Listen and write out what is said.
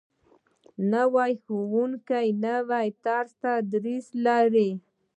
نوی ښوونکی نوی طرز تدریس لري